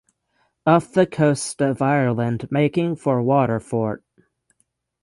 Off the coast of Ireland making for Waterford.